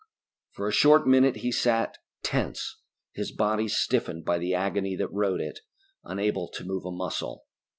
For a short minute he sat, tense, his body stiffened by the agony that rode it unable to move a muscle.